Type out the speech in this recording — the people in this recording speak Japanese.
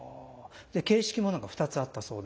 形式も何か２つあったそうで。